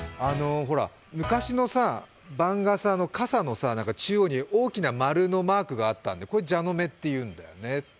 昔のさ、番傘の中央に大きな○のマークがあったんで、これ蛇の目っていうんだよね。